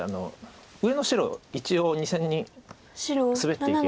上の白一応２線にスベっていけば。